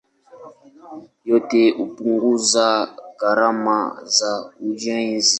Yote hupunguza gharama za ujenzi.